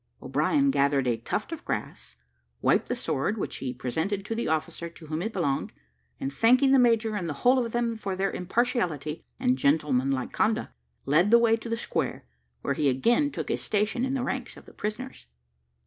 O'Brien gathered a tuft of grass, wiped the sword, which he presented to the officer to whom it belonged, and thanking the major and the whole of them for their impartiality and gentlemanlike conduct, led the way to the square, where he again took his station in the ranks of the prisoners.